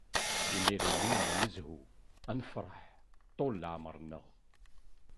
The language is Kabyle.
Imir-nni an-nezhu, an-nefreḥ, ṭṭul n leɛmer-nneɣ.